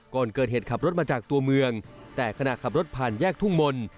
ก่อนเกิดเหตุขับรถมาจากตัวเมืองแต่ขณะขับรถผ่านแยกทุ่งมนต์